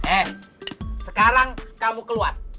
eh sekarang kamu keluar